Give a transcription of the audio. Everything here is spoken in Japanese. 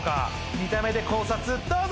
見た目で考察どうぞ！